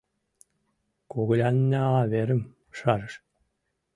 Когылянна верым шарыш...